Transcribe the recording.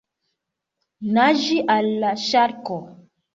Naĝi al la ŝarko!